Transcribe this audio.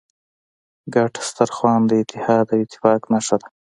ګډ سترخوان د اتحاد او اتفاق نښه ده.